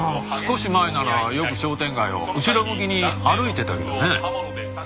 少し前ならよく商店街を後ろ向きに歩いてたけどね。